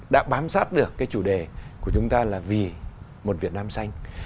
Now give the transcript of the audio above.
đã bám sát được cái chủ đề của chúng ta là vì một việt nam xanh